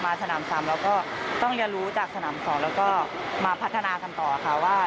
สนามซ้ำแล้วก็ต้องเรียนรู้จากสนาม๒แล้วก็มาพัฒนากันต่อค่ะว่า